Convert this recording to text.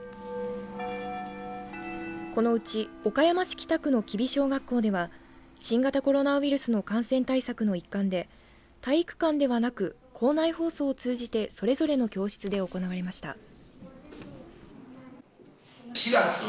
このうち、岡山市北区の吉備小学校では新型コロナウイルスの感染対策の一環で体育館ではなく校内放送を通じてそれぞれの教室で行われました。